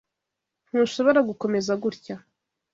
Ntushobora gukomeza gutya.